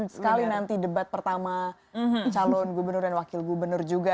sekali nanti debat pertama calon gubernur dan wakil gubernur juga